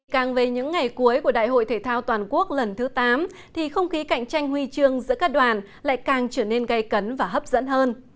càng về những ngày cuối của đại hội thể thao toàn quốc lần thứ tám thì không khí cạnh tranh huy chương giữa các đoàn lại càng trở nên gây cấn và hấp dẫn hơn